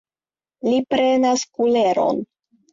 Li prenas kuleron.